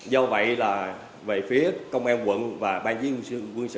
do vậy là về phía công an quận và bang chiến quân sự quận